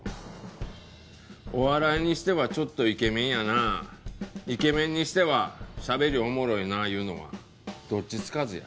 お笑いにしてはちょっとイケメンやなイケメンにしてはしゃべりおもろいないうのはどっちつかずや。